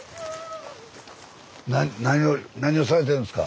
何をされてるんですか？